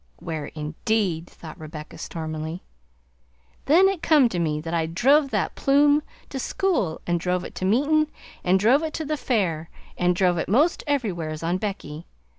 ("Where indeed!" thought Rebecca stormily.) "Then it come to me that I'd drove that plume to school and drove it to meetin' and drove it to the Fair an'drove it most everywheres on Becky.